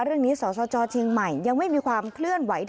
เรื่องนี้สสจเชียงใหม่ยังไม่มีความเคลื่อนไหว